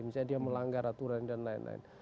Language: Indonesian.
misalnya dia melanggar aturan dan lain lain